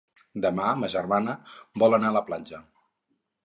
Demà ma germana vol anar a la platja.